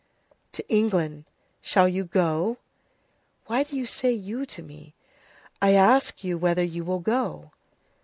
"To England. Shall you go?" "Why do you say you to me?" "I ask you whether you will go?"